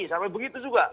sampai begitu juga